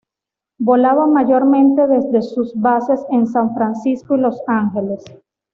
Volaba mayormente desde sus bases en San Francisco y Los Ángeles.